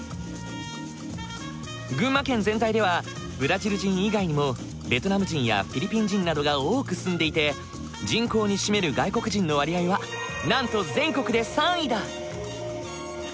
群馬県全体ではブラジル人以外にもベトナム人やフィリピン人などが多く住んでいて人口に占める外国人の割合はなんと全国で３位だ。